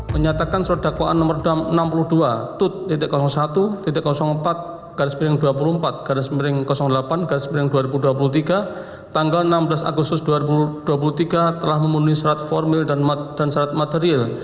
menyatakan surat dakwaan nomor enam puluh dua tut satu empat garis miring dua puluh empat delapan dua ribu dua puluh tiga tanggal enam belas agustus dua ribu dua puluh tiga telah memenuhi syarat formil dan syarat material